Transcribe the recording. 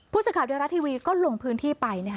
ผู้สังขาดเดียวกับรัฐทีวีก็ลงพื้นที่ไป